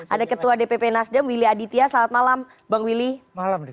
ada ketua dpp nasdem willy aditya selamat malam bang willy